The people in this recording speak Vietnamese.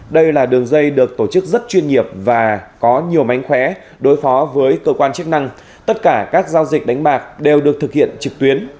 đây là đường dây được tổ chức rất chuyên